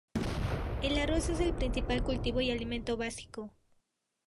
El arroz es el principal cultivo y alimento básico.